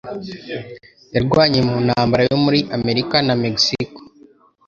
Yarwanye mu ntambara yo muri Amerika na Mexico